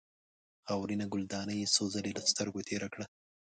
خاورینه ګلدانۍ یې څو ځله له سترګو تېره کړه.